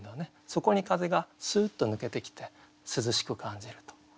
そこに風がすっと抜けてきて涼しく感じると。